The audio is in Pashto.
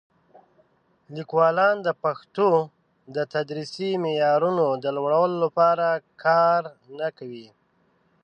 لیکوالان د پښتو د تدریسي معیارونو د لوړولو لپاره کار نه کوي.